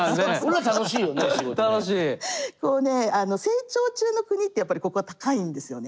成長中の国ってやっぱりここは高いんですよね。